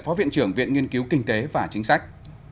phó viện trưởng viện nghiên cứu kinh tế và chính sách